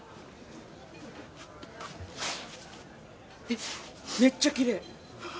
えっめっちゃきれい。